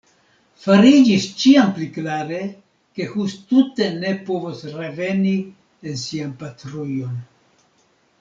Fariĝis ĉiam pli klare, ke Hus tute ne povos reveni en sian patrujon.